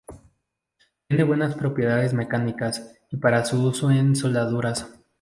Tiene buenas propiedades mecánicas y para su uso en soldaduras.